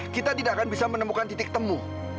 kita tidak akan bisa menemukan titik temu